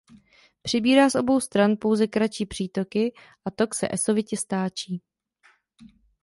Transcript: Přibírá z obou stran pouze kratší přítoky a tok se esovitě stáčí.